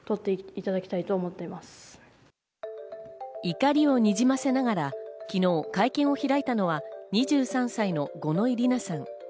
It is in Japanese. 怒りをにじませながら昨日、会見を開いたのは２３歳の五ノ井里奈さん。